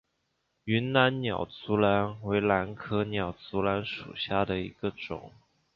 云南鸟足兰为兰科鸟足兰属下的一个种。